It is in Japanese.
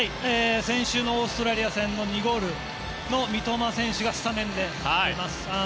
先週のオーストラリア戦の２ゴール三笘選手がスタメンで出ます。